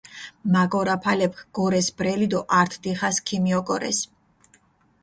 მაგორაფალეფქ გორეს ბრელი დო ართ დიხას ქიმიოგორეს.